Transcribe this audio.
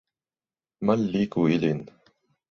Malligu ilin!